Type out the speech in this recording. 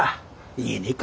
言えねえか。